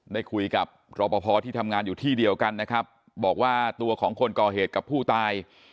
ได้คุยกับรอปภที่ทำงานอยู่ที่เดียวกันนะครับบอกว่าตัวของคนก่อเหตุกับผู้ตาย